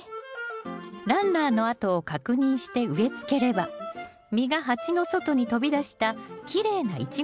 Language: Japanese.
ランナーの跡を確認して植えつければ実が鉢の外に飛び出したきれいなイチゴタワーができます。